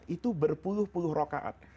itu berpuluh puluh rokaat